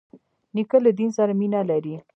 نیکه له دین سره مینه لري.